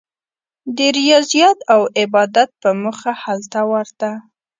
د ریاضت او عبادت په موخه هلته ورته.